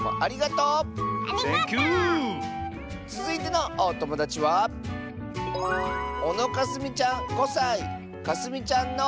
つづいてのおともだちはかすみちゃんの。